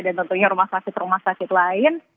dan tentunya rumah sakit rumah sakit lain